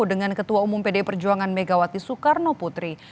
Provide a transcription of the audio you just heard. dengan ketua umum pdi perjuangan megawati soekarno putri